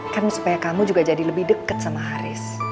kan supaya kamu juga jadi lebih dekat sama haris